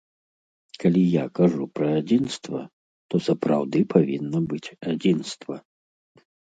Калі я кажу пра адзінства, то сапраўды павінна быць адзінства.